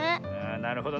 なるほどね。